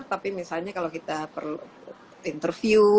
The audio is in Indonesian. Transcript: tapi misalnya kalau kita perlu interview